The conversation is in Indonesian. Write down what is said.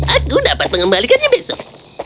aku dapat mengembalikannya besok